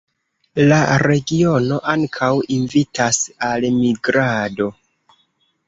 La regiono ankaŭ invitas al migrado.